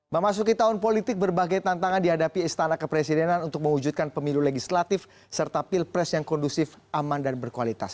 memasuki tahun politik berbagai tantangan dihadapi istana kepresidenan untuk mewujudkan pemilu legislatif serta pilpres yang kondusif aman dan berkualitas